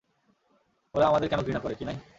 ওরা আমাদের কেন ঘৃণা করে, কিনাই?